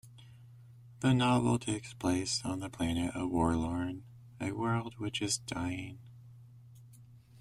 The novel takes place on the planet of Worlorn, a world which is dying.